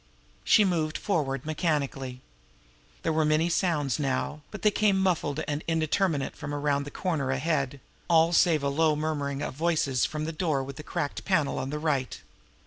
She moved forward mechanically. There were many sounds now, but they came muffled and indeterminate from around that corner ahead all save a low murmuring of voices from the door with the cracked panel on the right.